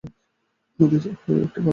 নদীর উপরে একটা বাঁধ আছে।